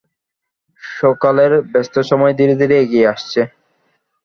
সকালের ব্যস্ত সময় ধীরেধীরে এগিয়ে আসছে।